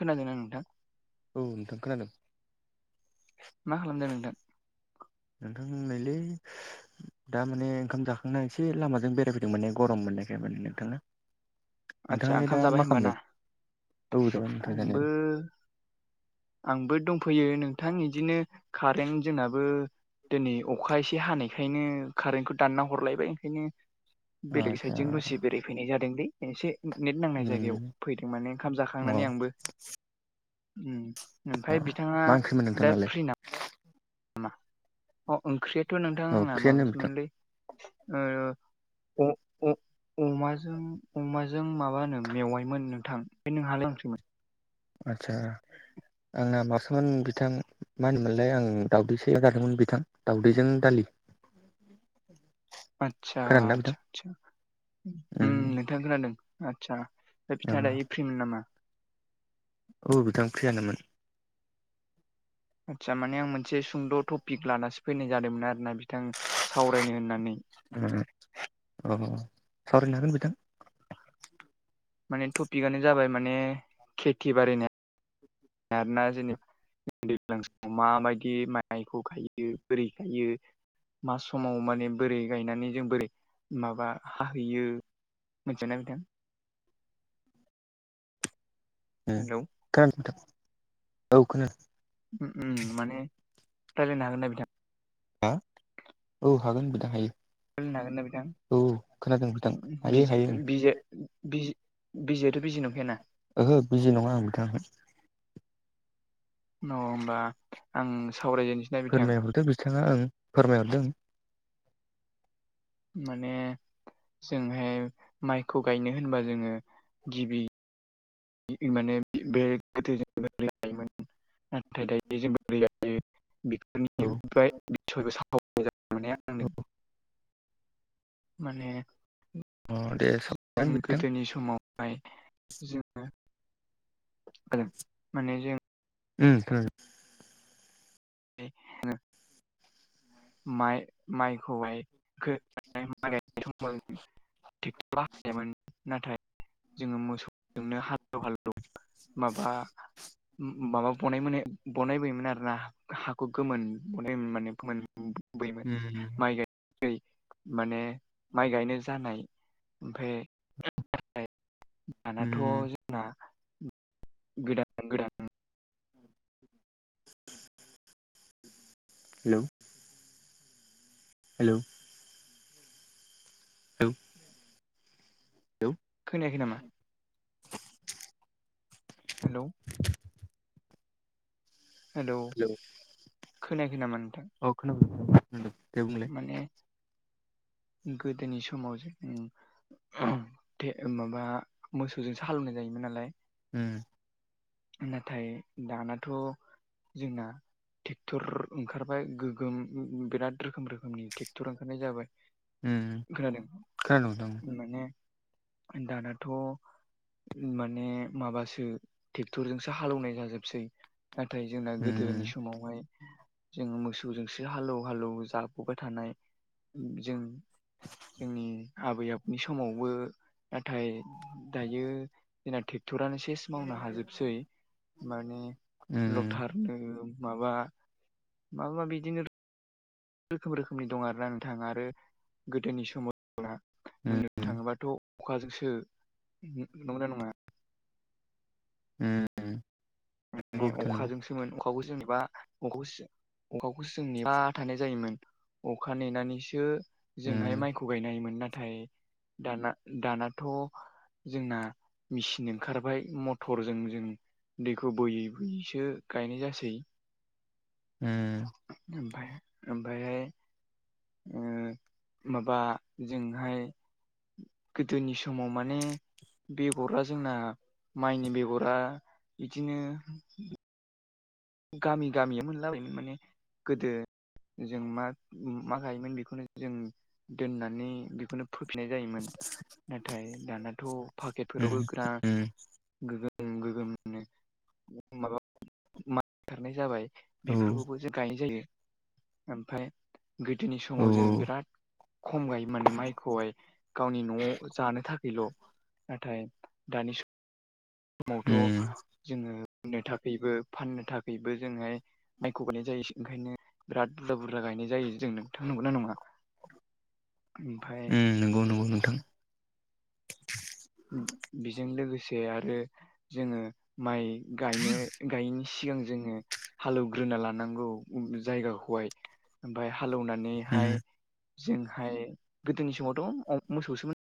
खोनादोंना नोंथां? औ नोंथां खोनादों। मा खालामदों नोंथां? नोंथांहोननायलै दा माने ओंखाम जाखांना एसे लामाजों बेरायफैदोंमोने गरम मोननायखाय माने नोंथां आदसा ओंखाम जाबाय होनबाना औ जाबाय नोंथां आंबो जानायालाय आंबो दंफैयो नोंथां इदिनो कारेन्ट जोंनाबो दिनै अखा एसे हानायखायनो कारेन्टखौ दानना हरलायबाय ओंखायनो बेलेग आदसा साइडजों दसे बेरायफैनाय जादोंलै एसे नेट नांनाय जायगायाव उम फैदों माने ओंखाम अ जाखांनानै आंबो ओमफफ्राय बिथाङा मा ओंख्रिमोन दा नोंथांनालाय फ्रि ना नामा अ ओंख्रियाथ' औ नोंथांना फ्रियानो नोंथां माबासोमोनलै अ अ अमाजों अमाजों माबा होनो मेवाइमोन नोंथां बे नोंहालाय मा ओंख्रिमोन? आचसा आंना बासोमोन बिथां मा होनोमोनलाय आं दाउदैसो एलना जादोंमोन बिथां दाउदैजों दालि। आदसा खोनादोंना बिथां आदसा आसा उम नोंथां खोनादों आदसा फाय औ बिथाङा दायो फ्रिमोन नामा? औ बिथां फ्रियानोमोन। आदसा माने आं मोनसे सुंद' टपिक लानसो फैनाय जादोंमोन आरोोना बिथां सावरायनो होननानै अ सावरायनो हागोन बिथां। माने टपिकआनो जाबाय माने खेथि बारिनि आरोना जेनि दैज्लां समाव माबायदि माइखौ गायो बोरै गायो मा समाव माने बोरै गायनानै जों बोरै माबा हाहैयो मिथियाना नोंथां? खोनादों हेलौ नोंथां? औ खोनादों माने रायज्लायनो हागोन ना बिथां? हो औ हागोन बिथां हायो‌। होननो हागोन ना बिथां? बिथां हायो बिजि हायो बिजि बिजि बिजिथ' बिजि नंखायाना? ओहो बिजि नङा आं नोंथां। औ होनमबा आं सावरायजेनसै ना बिथां फोरमायहरदो बिथाङा ओं फोरमायहरदो ओं। माने जोंहाय माइखौ गायनो होनबा जोङो गिबि [unintelligible] [unintelligible] मोजां औ मोना आं माने अ दे सावरायगोन बिथां गोदोनि समावहाय जोङो माने जों [unintelligible] [inaudible] माइ माइखौहाय [unintelligible] ट्रेक्टर हायामोन नाथाय जोङो मोसौजोंनो हालौ हालौ माबा माबा बनाय बानायबोयोमोन आरोना हा हाखौ गोमोन बनायोमोन माने गोमोन बोयोमोन उम माइ गाय माने माइ गायनो जानाय ओमफाय दानाथ' उम गोदान गोदान हेलौ। हेलौ। औ। [unintelligible] नायाखै नामा? हेलौ। हेलौ खोनायाखै नामा नोंथां? अ खोनाबाय नोंथां उम दे बुं माने गोदोनि समाव जों ओ माबा मोसौजोंसो हालौवनाय जायोमोन नालाय। उम। नाथाय दानाथ' जोंना थेक्टर ओंखारबाय गोगोम उम उम बिराद रोखोम रोखोमनि थेक्टर ओंखारनाय जाबाय। उम खोनादों खोनादों नोंथां माने दानाथ' माने माबासो थेक्टरजोंसो हालौवनाय जाजोबसै नाथाय जोंना उम गोदोनि समावहाय जों मोसौजोंसो हालौ हालौ जाबोबाय थानाय जों जोंनि आबै आब'नि समावबो नाथाय दायो जोंना थेक्टरानो सेस मावनो हाजोबसै माने उम लथार ओ माबा माबा बिदिनो रोखोम रोखोमनि दं आरो ना नोंथां आरो गोदोनि समाव बुंनो उम थाङोबाथ' अखाजोंसो न' नंगौना नङा? उम। माने नंगौ बिथां नंगौ अखाजोंसोमोन अखाखौ जेनेबा अखौस अखाखौसो जों नेना थानाय जायोमोन अखा नेनानैसो उम जोंहाय माइ खौ गायनो हायोमोन नाथाय दाना दानाथ' जोंना मिचिन ओंखारबाय मथरजों जों खौ बोयै बोयैसो गायनाय जासै। ओ। ओमफाय ओमफ्रायहाय ओ माबा जोंहाय गोदोनि समाव माने बेगरा जोंना माइनि बेगरा बिदिनो गामि गामि मोनलाबायोमोन माने गोदो जों मा मा गायोमोन बेखौनो जों दोननानै बेखौनो फोफिननाय जायोमोन नाथाय दानाथ' पाकेटफोरावबो बिरात उम। गोगोम गोगोमनो माबा मा खारनाय जाबाय औ बेफोरखौबो जों गायनाय जायो ओमफ्राय गोदोनि औ समाव जोङो बिराद खम गायो माने माइखौहाय गावनि न'आव जानो थाखायल' नाथाय दानि स मावथ' उम जोङो नो थाखैबो फाननो थाखैबो जोंङो माइखौ गायनाय जायोसै ओंखायनो बिराद बुरजा बुरजा गायनाय जायो जों नोंथां नंगौना नङा? ओमफ्राय ओं नोंगौ नोंगौ नोंथां। उम बिजों लोगोसे आरो जोङो माइ गायनो गायिनि सिगां जोङो हालौवग्रोना लानांगौ उम जायगाखौहाय ओमफाय उम हालौनानैहाय जोंहाय गोदोनि समावथ' अ मोसौसोमोन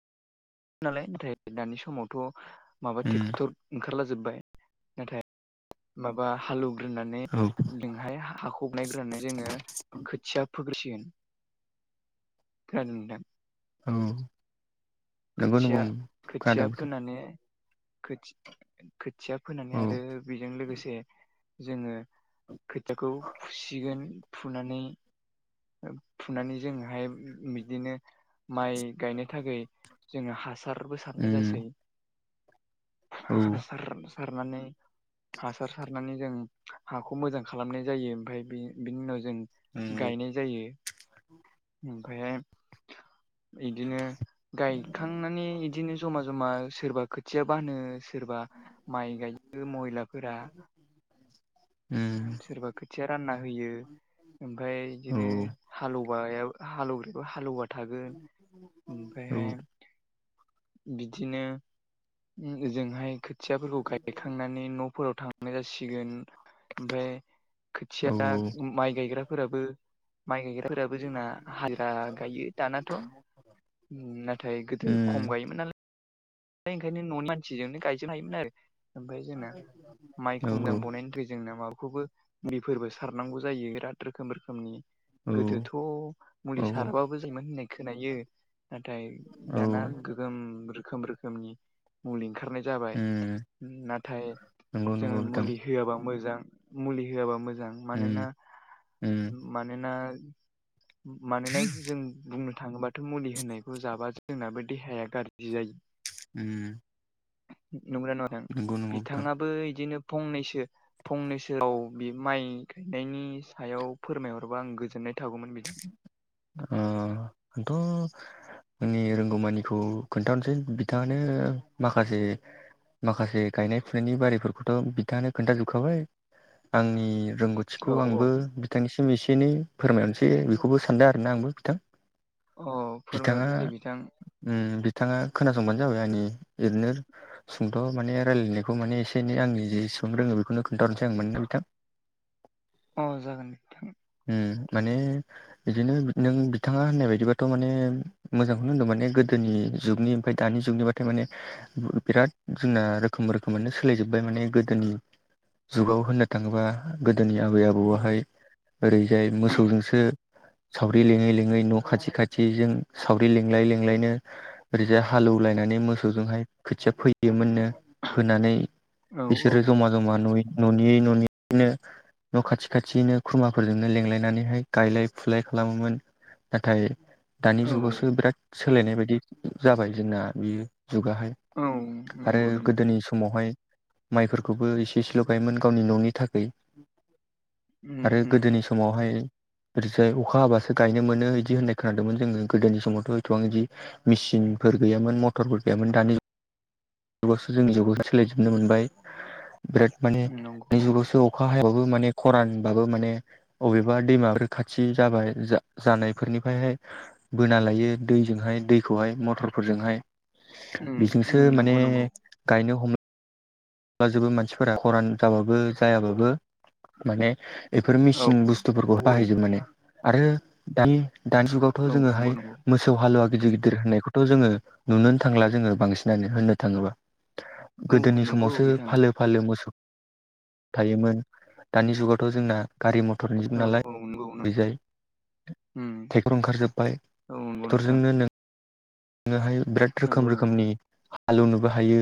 नालाय नाथाय दानि समावथ' माबा उम थेक्टर ओंखारलाजोबबाय नाथाय माबा हालेवग्रोनानै औ नोंहाय हााखबनायग्रोनानै जोङो खोथिया फोग्रसिगोन खदोंां औ नंगौ नंगौ खोथिया खोनादों खोथिया नोंथां फोनानै थि खोथिया फोनानै औ आरो बेजों लोगोसे जोङो खोथियाखौ खुसि फुसिगोन फुनानै फुनानै जोंहाय बिदिनो माइ गायनो थाखाय जोङो हासारबो सारनाय उम जासै। औ हासार सारनानै हासार सारनानै जों हाखौ मोजां खालामनाय जायो ओमफ्राय बै बिनि उनाव जों उम गायनाय जायो ओमफ्रायहाय इदिनो गायखांनानै इदिनो जमा जमा सोरबा खोथिया बानो सोरबा माइ गायो महिलाफोरा। उम सोरबा खोथिया रानना होयो। ओमफफ्राय औ बिदिनो हालौो हालौवग्रायखौो हालेववा थागोन। उम ओमफ्रायहाय बिदिनो ओजोंहाय खोथियाफोरखौ गायखांनानै न'फोराव थांनाय जासिगोन। ओमफफ्राय औ खोथिया माइ गायग्राफोराबो माइ गायग्राफोराबो जोंना हाजिरा गायो दानाथ' नाथाय गोदो खम गायोमोन नालाय ओमफ्राय ओंखायनो न'नि मानसिजोंनो गायजोबनो हायोमोन आरो ओमफ्राय जोंना माइखौ मोजां बनायनिफ्राय जोंना माबाखौबो ुलिफोरबो सारनांगौ जायो बिराद रोखोम रोखोमनि। गोदोथ' औ औ मुलि साराबाबो जायोमोन होननाय खोनायो। नाथाय औ दाना गोगोम रोखोम रोखोमनि मुलि ओंखारनाय जाबाय उम नाथाय नंगौ जोङो नंगौ बिथां मुलि होआबा मोजां मुलि होआबा मोजां उम मानोना उम मानोना मानोना जों बुंनो थाङोब्ला बाथौ मुलि होनायखौ जाबा जोंनाबो देहाया गाज्रि जायो। उम नंग्रा नङा नों नंगौ नंगौ बिथां बिथाङाबो बिदिनो फंनैसो फंनैसोआव बे माइ गायनायनि सायाव फोरमायहरबा आं गोजोननाय थागौमोन बिथां औ आंथ' आंनि रोंगौमानिखौ खोन्थाहसै बिथाङानो माखासे माखासे गायनाय फुनायनि बारिफोरखौथ' बिथाङानो खोन्थाजोबखाबाय आंनि रोंगौथि थखौ औ औ आंबो बिथांनिसिम एसे एनै फोरमायहरनोसै बेखौबो सानदों आरोना आंबो बिथां। अ फोरमायहरदो दे बिथां। ओम बिथाङा खोनासंबानो जाबाय आंनि ओरैनो सुंथ' माने रायजलायनायखौ माने एसे एनै आंनि जेसेबां रोङो बेखौनो खोन्थाहरनोसै आं मोननो बिथां अ जागोनथां। उम माने बिदिनो नों बिथाङा होननाय बायदिबाथ' माने मोजांखौनो होनदों माने गोदोनि जुगनि ओमफ्राय दानि जुगनिबाथ थमाने बिराद जोंना रोखोम रोखोमानो सोलाय जोबबाय माने गोदोनि जुगाव होननो थाङोबा गोदोनि आबै उम आबौहाय ओरैजाय मोसौजोंसो सावरि लिङै लिङै न' खाथि खाथिजों सावरि लिंलायै लिंलायनो ओरैजाय हालौवलायनानै मोसौजोंहाय खोथिया फोयोमोननो फोनानै औ औ बिसोरो जमा जमा नय न'नियै न'निनो न' खाथि खाथिनो खुरमाफोरजोंनो लेंलायनानैहाय गायलाय फुलाय खालामोमोन नाथाय दानि औ जुगावसो बिराद सोलायनाय बायदि जाबाय जोंना बे जुगाहाय। औ आरो नंगौ नंगौ गोदोनि समावहाय माइफोरखौबो एसे एसेल' गायोमोन गावनि न'नि थाखाय उम आरो गोदोनि उम सम समावहाय [inaudible] अखा हाबासो गायनो मोनो बिदि होननाय खोनादोंमोन जोंङो गोदोनि समावथ' एसेबां बिदि मेसिनफोर गैयामोन मथरफोर गैयामोन दानि जुगावसो जोंनि जुगाव सोलायजोबनो मोनबाय बिराद माने नंगौ दानि औ जुगावसो अखा हायाबाबो माने खरानबाबो माने अबेबा दैमाफोर खाथि जाबाय जा जानायफोरनिफ्रायहाय बोना लायो दैजोंहाय दैखौहाय मटरफोरजोंहाय उम उम बेजोंसो माने नंगौ नंगौ गायनो हमो जोबो मानसिफोरा खरान जाबाबो जायाबाबो माने बेफोर औ मेसिन बुस्थुफोरखौ औ बाहायजोब माने आरो दानि दानि जुगाव औ जोंङो नंगौ हाय नंगौ मो फिसौ हालुवा गिदिर गिदिर होननायखौथ' जोंङो नुनो थांला जोंङो बांसिनानो होननो थाङोब्ला। औ गोदोनि नंगौ समाव बिथां फालो मोसौ थायोमोन दानि जुगावथ' जोंना गारि मथरनि जबो औ नालाय औ नंगौ नंगौ बेजाय उम टेक्टर ओंखारजोब्बाय औ नंगौ नोंथां टेक्टरजोंनो नों हाय बिराद रोखोम नंगौ नंगौ रोखोमनि हालौवनोबो हायो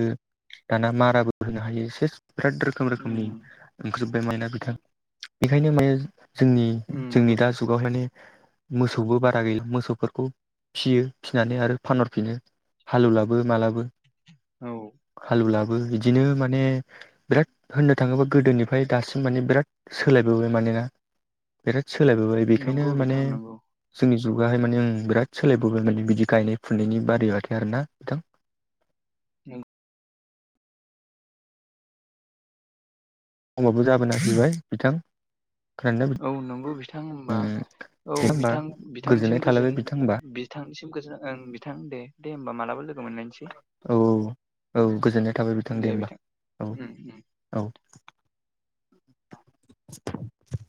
दाना माराबो होनो हायो सेस बिराद रोखोम उम रोखोमनि ओंखारजोब्बाय माइना बिथां बेखायनो जोंनि उम जोंनि नंगौ दा जुगावहाय माने मोसौबो बारा गैला मोसौफोरखौ फियो फिनानै आरो फानहरफिनो हालुलाबो मालाबो औ हालुलाबो बिदि बिदिनो माने बिराद होननो थाङोबा गोदोनिफ्राय दासिम माने बिराद सोलायबोबाय मानोना बिराद सोलायबोबाय बेखायनो नंगौ माने बिथां नंगौ जोंनि जुगाहाय माने ओं बिराद सोलायबोबाय माने बिदि गायनाय फुनायनि बारआथाय आर ना। [inaudible] समाबो जाबोना फैबाय बिथां। खोनादोंना औ नंगौ बिथां होमबा औ होमबा बिथां बिथांनिसिम गोजोननाय गोजोन थालायबाय बिथां होमबा बिथांनिसिम गोजोन ओं बिथां दे दे होमबा मालाबा लोगो लोगो मोनलायनोसै औ औ गोजोननाय थाबाय दे होमबा बिथां औ उम। औ।